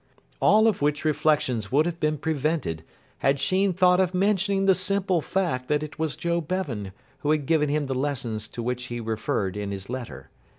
All of which reflections would have been prevented had Sheen thought of mentioning the simple fact that it was Joe Bevan who had given him the lessons to which he referred in his letter.